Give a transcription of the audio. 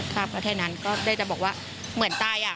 ครับแค่นั้นก็ได้จะบอกว่าเหมือนตาย